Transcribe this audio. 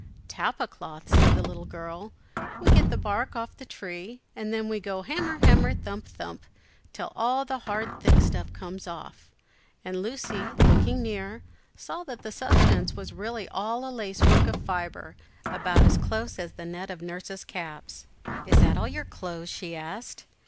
"Tapa cloth," said the little girl. "We get the bark off the tree, and then we go hammer, hammer, thump, thump, till all the hard thick stuff comes off;" and Lucy, looking near, saw that the substance was really all a lacework of fibre, about as close as the net of Nurse's caps. "Is that all your clothes?" she asked.